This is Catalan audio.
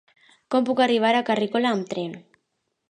Com puc arribar a Carrícola amb tren?